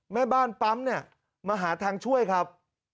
แม่บ้านปั๊มเนี่ยมาหาทางช่วยครับ